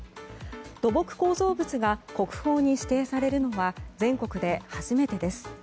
土木構造物が国宝に指定されるのは全国で初めてです。